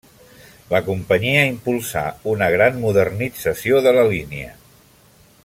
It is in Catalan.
La companyia impulsà una gran modernització de la línia.